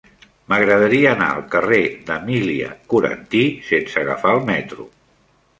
M'agradaria anar al carrer d'Emília Coranty sense agafar el metro.